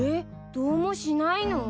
どうもしないの？